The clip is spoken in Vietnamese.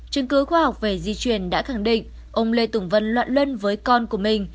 chứng cứ khoa học về di truyền đã khẳng định ông lê tùng vân loạn luân với con của mình